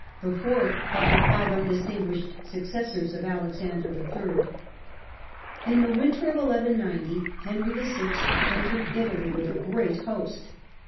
the fourth of the five undistinguished successors of Alexander III. In the winter of 1190 First Henry VI. entered Italy with a great host.